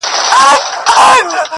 • نن که دي وګړي د منبر په ریا نه نیسي -